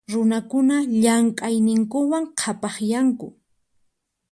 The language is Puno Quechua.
Runakuna llamk'ayninkuwan qhapaqyanku.